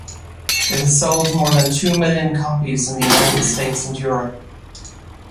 It has sold more than two million copies in the United States and Europe.